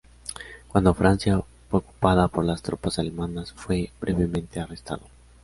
Cuando Francia fue ocupada por las tropas alemanas, fue brevemente arrestado.